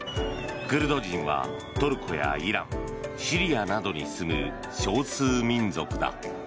クルド人は、トルコやイランシリアなどに住む少数民族だ。